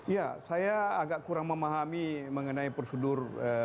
ya saya agak kurang memahami mengenai prosedur